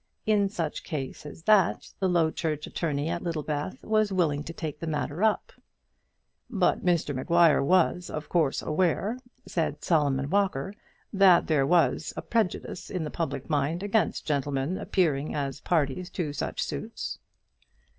In such case as that the Low Church attorney at Littlebath was willing to take the matter up. "But Mr Maguire was, of course, aware," said Solomon Walker, "that there was a prejudice in the public mind against gentlemen appearing as parties to such suits."